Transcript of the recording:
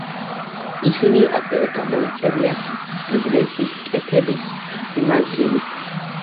ისინი ასევე გამოირჩევიან ბიზნესის კეთების სიმარტივით.